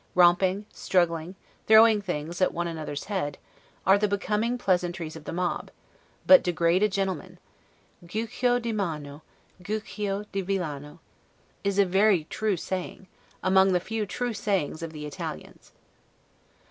Romping, struggling, throwing things at one another's head, are the becoming pleasantries of the mob, but degrade a gentleman: 'giuoco di mano, giuoco di villano', is a very true saying, among the few true sayings of the Italians.